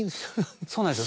そうなんですよ